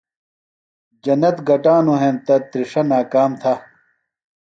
جنت گٹانوۡ ہینتہ تِرݜہ ناکام تھہ۔